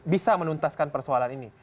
bisa menuntaskan persoalan ini